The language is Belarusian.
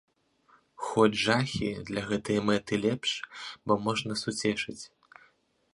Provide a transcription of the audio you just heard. Хоць жахі для гэтай мэты лепш, бо можна суцешыць.